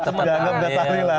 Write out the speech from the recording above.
tepat kan ya